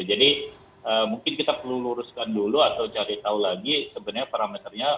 jadi mungkin kita perlu luruskan dulu atau cari tahu lagi sebenarnya parameternya